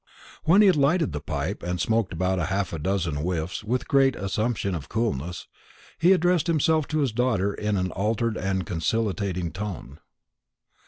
When he had lighted the pipe, and smoked about half a dozen whiffs with a great assumption of coolness, he addressed himself to his daughter in an altered and conciliating tone.